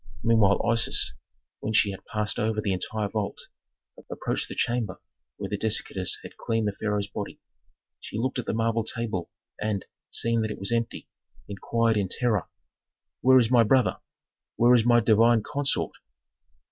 Meanwhile Isis, when she had passed over the entire vault, approached the chamber where the dissectors had cleaned the pharaoh's body. She looked at the marble table, and, seeing that it was empty, inquired in terror, "Where is my brother? Where is my divine consort?"